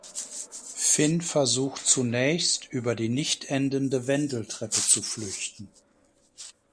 Finn versucht zunächst über die nicht endende Wendeltreppe zu flüchten.